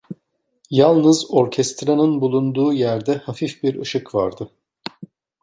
Yalnız orkestranın bulunduğu yerde hafif bir ışık vardı.